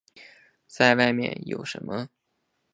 再外面有什么